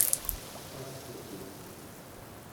Aẓet akkin!